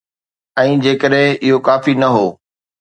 ۽ جيڪڏهن اهو ڪافي نه هو.